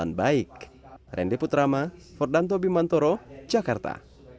sampai jumpa di video selanjutnya